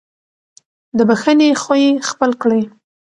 د بښنې خوی خپل کړئ.